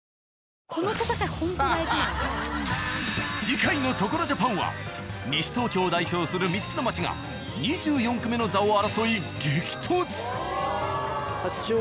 次回の「所ＪＡＰＡＮ」は西東京を代表する３つの街が２４区目の座を争い激突！